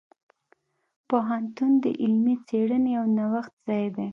پوهنتون د علمي څیړنې او نوښت ځای دی.